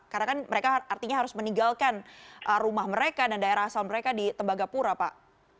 karena mereka artinya harus meninggalkan rumah mereka dan daerah asal mereka di tembagapura pak